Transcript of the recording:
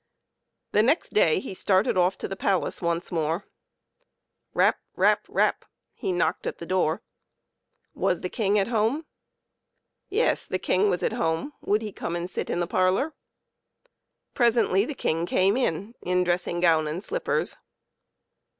The next day he started off to the palace once more. Rap ! rap ! rap ! he knocked at the door. Was the King at home ? Yes, the King was at home ; would he come and sit in the parlor? CLEVER PETER AND THE TWO BOTTLES. 53 Presently the King came in, in dressing gown and slippers.